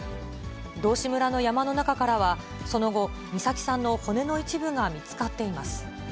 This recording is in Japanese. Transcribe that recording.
道志村の山の中からは、その後、美咲さんの骨の一部が見つかっています。